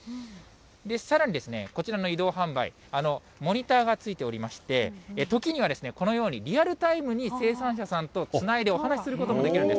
さらに、こちらの移動販売、モニターがついておりまして、時には、このように、リアルタイムに生産者さんとつないでお話することもできるんです。